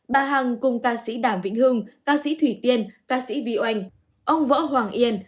bà hằng cùng ca sĩ đàm vĩnh hưng ca sĩ thủy tiên ca sĩ vy oanh ông võ hoàng yên